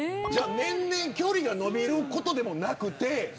年々距離が延びることでもなくて。